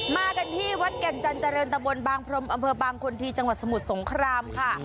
มากันที่วัดแก่นจันเจริญตะบนบางพรมอำเภอบางคนที่จังหวัดสมุทรสงครามค่ะ